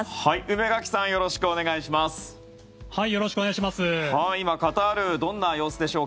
梅垣さんよろしくお願いします。